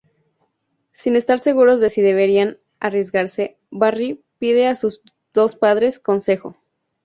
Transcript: Sin estar seguros de si deberían arriesgarse, Barry pide a sus dos padres consejo.